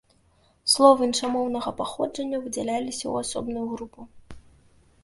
Словы іншамоўнага паходжання выдзяляліся ў асобную групу.